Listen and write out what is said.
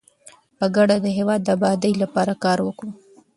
په ګډه د هیواد د ابادۍ لپاره کار وکړو.